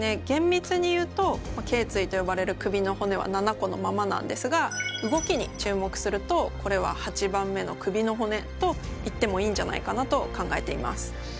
げんみつに言うと頸椎と呼ばれる首の骨は７個のままなんですが動きに注目するとこれは８番目の首の骨と言ってもいいんじゃないかなと考えています。